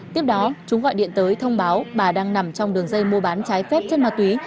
tiếp đó chúng gọi điện tới thông báo bà đang nằm trong đường dây mua bán trái phép chất ma túy